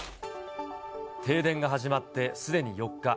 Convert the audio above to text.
停電が始まってすでに４日。